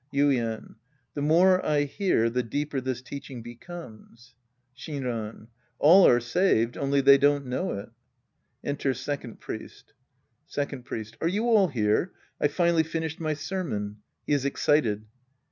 Yuien. The more I hear, the deeper this teacWng becomes. Shinran. All are saved. Only they don't know it. {Enter Second Priest.) Second Priest. Are you all here? I've finally finished my sermon. {He is excited.)